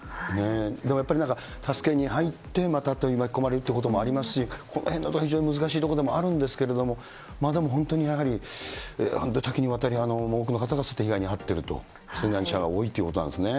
だからやっぱり、なんか助けに入って、また巻き込まれるということもありますし、このへんのところ、非常に難しいところでもあるんですけれども、でも本当にやっぱり、多岐にわたり、多くの方が被害に遭ってると、水難者が多いということなんです